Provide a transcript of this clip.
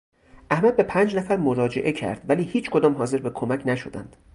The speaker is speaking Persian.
احمد به پنج نفر مراجعه کرد ولی هیچکدام حاضر به کمک نشدند.